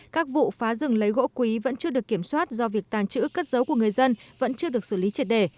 các vụ phá rừng lấy gỗ quý vẫn chưa được kiểm soát do việc tàng trữ cất dấu của người dân vẫn chưa được xử lý triệt đề